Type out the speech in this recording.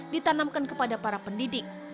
ditanamkan kepada para pendidik